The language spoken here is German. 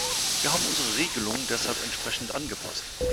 Wir haben unsere Regelung deshalb entsprechend angepasst.